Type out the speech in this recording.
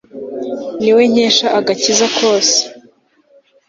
ni we nkesha agakiza kose